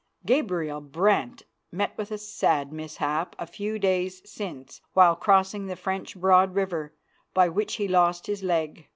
Gabriel Brant met with a sad mishap a few days since while crossing the French Broad river, by which he lost his leg.